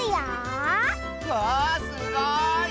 わあすごい！